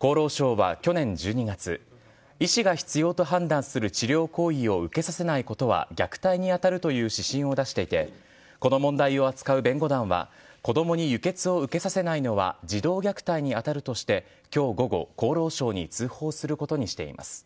厚労省は去年１２月、医師が必要と判断する治療行為を受けさせないことは虐待に当たるという指針を出していて、この問題を扱う弁護団は、子どもに輸血を受けさせないのは、児童虐待に当たるとして、きょう午後、厚労省に通報することにしています。